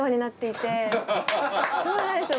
そうなんですよ。